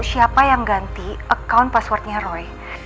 siapa yang ganti account passwordnya roy